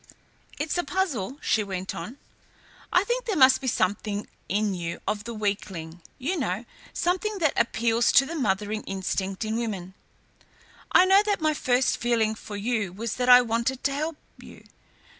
"It's a puzzle," she went on. "I think there must be something in you of the weakling, you know, something that appeals to the mothering instinct in women. I know that my first feeling for you was that I wanted to help you.